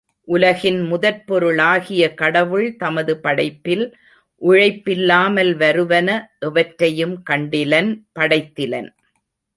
உலகின் முதற்பொருளாகிய கடவுள் தமது படைப்பில் உழைப்பில்லாமல் வருவன எவற்றையும் கண்டிலன் படைத்திலன்.